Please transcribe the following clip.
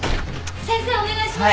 先生お願いします。